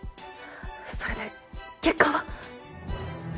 それで結果は？